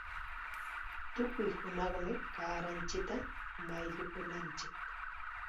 Tukuy hunaqmi kaaranchikta mayllakunanchik.